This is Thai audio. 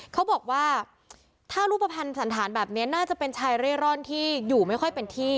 เขาบอกว่าถ้ารูปภัณฑ์สันธารแบบนี้น่าจะเป็นชายเร่ร่อนที่อยู่ไม่ค่อยเป็นที่